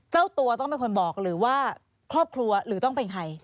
เจ้าตัวต้องเป็นคนบอกหรือว่าครอบครัวหรือต้องเป็นใคร